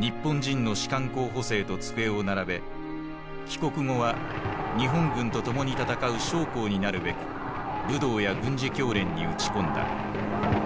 日本人の士官候補生と机を並べ帰国後は日本軍と共に戦う将校になるべく武道や軍事教練に打ち込んだ。